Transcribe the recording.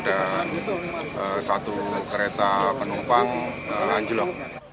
dan satu kereta penumpang anjlok